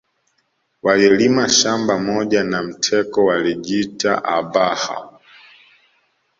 Waliolima shamba moja na Mteko walijiita Abhaha